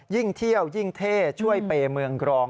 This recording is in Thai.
ยิ่งเที่ยวยิ่งเท่ช่วยเปย์เมืองกรอง